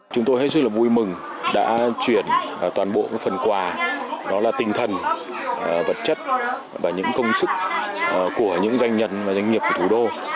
chúng tôi hết sức là vui mừng đã chuyển toàn bộ phần quà đó là tinh thần vật chất và những công sức của những doanh nhân và doanh nghiệp của thủ đô